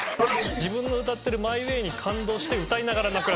自分の歌ってる『マイ・ウェイ』に感動して歌いながら泣く。